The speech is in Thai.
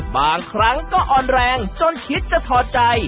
บางครั้งก็อ่อนแรงจนคิดจะถอดใจ